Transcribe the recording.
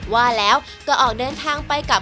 ว่าแล้วก็ออกเดินทางไปกับ